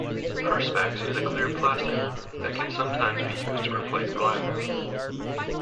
Perspex is a clear plastic that can sometimes be used to replace glass